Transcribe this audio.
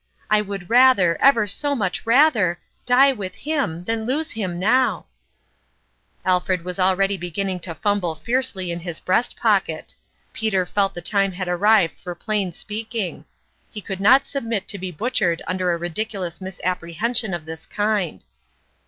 I would rather, ever so much rather, die with him than lose him now !" Alfred was already beginning to fumble fiercely in his breast pocket. Peter felt the time had arrived for plain speaking ; he could not submit to be butchered under a ridiculous misapprehension of this kind.